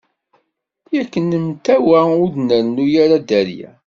Yak nemtawa ur d nrennu ara dderya.